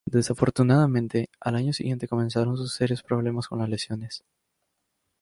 Desafortunadamente, al año siguiente comenzaron sus serios problemas con las lesiones.